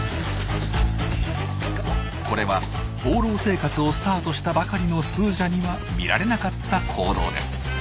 これは放浪生活をスタートしたばかりのスージャには見られなかった行動です。